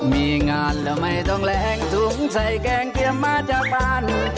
มีงานแล้วไม่ต้องแรงถุงใส่แกงเกียมมาจากบ้าน